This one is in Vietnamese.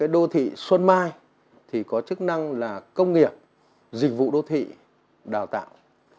đô thị xuân mai thì có chức năng là công nghiệp dịch vụ đô thị đào tạo